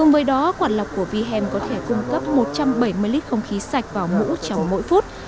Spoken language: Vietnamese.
cùng với đó quản lọc của v hem có thể cung cấp một trăm bảy mươi lít không khí sạch vào mũ cháu mỗi phút